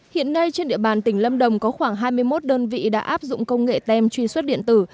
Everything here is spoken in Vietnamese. hiện nay trên địa bàn tỉnh lâm đồng có khoảng hai mươi một đơn vị đã áp dụng công nghệ tem truy xuất điện tử